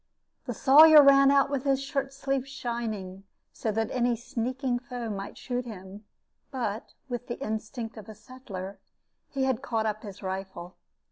The Sawyer ran out with his shirt sleeves shining, so that any sneaking foe might shoot him; but, with the instinct of a settler, he had caught up his rifle.